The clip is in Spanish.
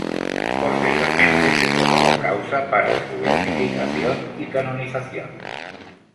Posteriormente se cerró la causa para su beatificación y canonización.